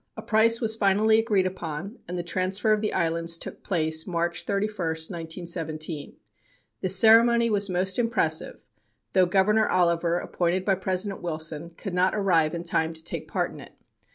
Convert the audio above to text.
A price was finally agreed upon, and the transfer of the islands took place March 31, 1917. The ceremony was most impressive, though Governor Oliver, appointed by President Wilson, could not arrive in time to take part in it.